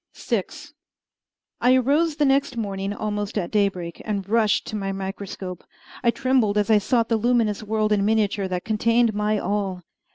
VI I arose the next morning almost at daybreak, and rushed to my microscope, I trembled as I sought the luminous world in miniature that contained my all.